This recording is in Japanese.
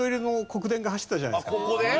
ここで？